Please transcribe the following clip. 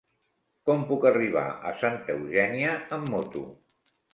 Com puc arribar a Santa Eugènia amb moto?